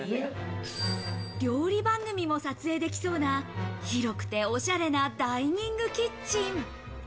料理番組も撮影できそうな広くておしゃれなダイニングキッチン。